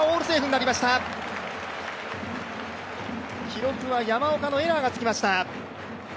記録は山岡のエラーがつきました。